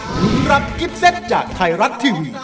ลุงรับกิฟเซตจากไทยรัฐทีวี